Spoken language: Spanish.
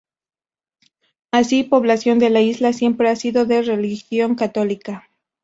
Así, población de la isla siempre ha sido de religión católica.